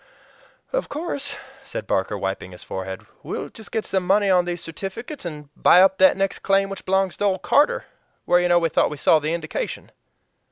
"Of course," said Barker, wiping his forehead, "we'll just get some money on these certificates and buy up that next claim which belongs to old Carter where you know we thought we saw the indication."